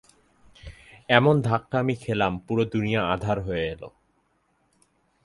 এমন ধাক্কা আমি খেলাম, পুরো দুনিয়া আঁধার হয়ে এলো।